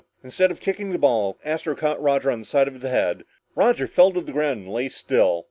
Instead of kicking the ball, Astro caught Roger on the side of the head. Roger fell to the ground and lay still.